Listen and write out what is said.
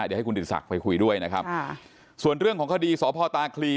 เดี๋ยวให้คุณติศักดิ์ไปคุยด้วยนะครับค่ะส่วนเรื่องของคดีสพตาคลี